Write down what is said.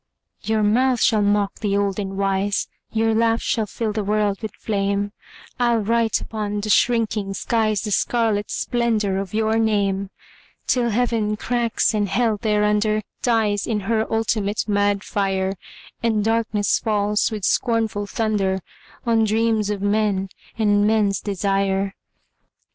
Your mouth shall mock the old and wise, Your laugh shall fill the world with flame, I'll write upon the shrinking skies The scarlet splendour of your name, Till Heaven cracks, and Hell thereunder Dies in her ultimate mad fire, And darkness falls, with scornful thunder, On dreams of men and men's desire.